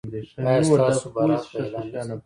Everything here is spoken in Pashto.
ایا ستاسو برات به اعلان نه شي؟